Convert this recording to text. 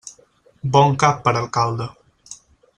Bon cap per alcalde.